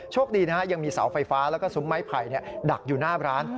คดีนะฮะยังมีเสาไฟฟ้าแล้วก็ซุ้มไม้ไผ่ดักอยู่หน้าร้าน